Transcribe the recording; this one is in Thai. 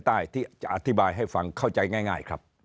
ใต้ที่จะอธิบายให้ฟังเข้าใจง่ายครับ